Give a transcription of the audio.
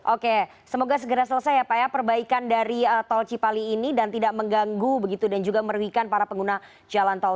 oke semoga segera selesai ya pak ya perbaikan dari tol cipali ini dan tidak mengganggu begitu dan juga merugikan para pengguna jalan tol